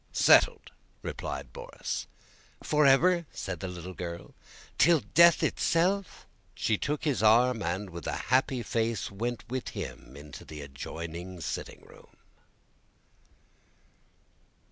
"Settled!" replied Borís. "Forever?" said the little girl. "Till death itself?" She took his arm and with a happy face went with him into the adjoining sitting room.